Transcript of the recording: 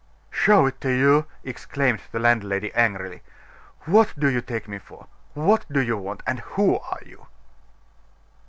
"Show it to you!" exclaimed the landlady, angrily. "What do you take me for? What do you want? and who are you?"